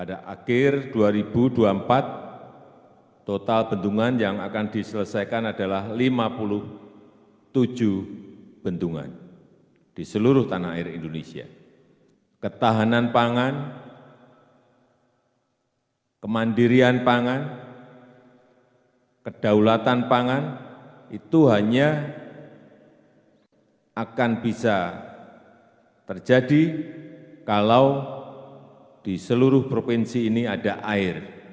akan bisa terjadi kalau di seluruh provinsi ini ada air